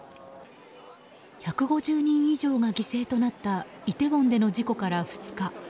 １５０人以上が犠牲となったイテウォンでの事故から２日。